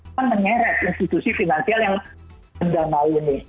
akan menyeret institusi finansial yang mendanai ini